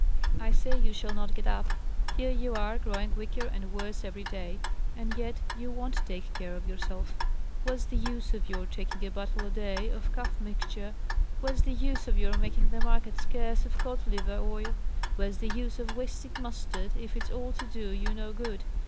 "I say you shall not get up. Here you are, growing weaker and worse every day, and yet you won't take care of yourself! Where's the use of your taking a bottle a day of cough mixture where's the use of your making the market scarce of cod liver oil where's the use of wasting mustard, if it's all to do you no good?